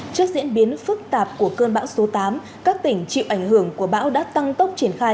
trước diễn biến phức tạp của cơn bão số tám các tỉnh chịu ảnh hưởng của bão đã tăng tốc triển khai